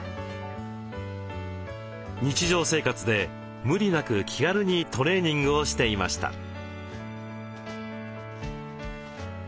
日常生活で無理なく気軽にトレーニングをしていました。